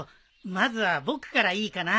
まずは僕からいいかな？